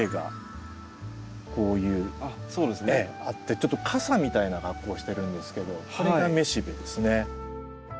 ちょっと笠みたいなかっこをしてるんですけどこれが雌しべですね。